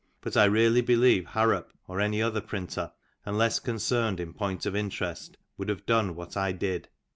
But I really belieye Harrop " or any other printer, unless concerned in point of interest, would haye done what I "did."